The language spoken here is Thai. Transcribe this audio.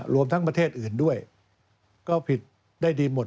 รวมทั้งประเทศอื่นด้วยก็ผิดได้ดีหมด